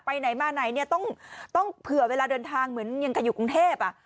ไปไหนมาไหนเนี่ยต้องเผื่อเวลาเดินทางเหมือนยังกันอยู่กรุงเทพ